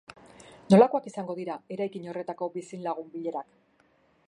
Nolakoak izango dira eraikin horretako bizilagun-bilerak?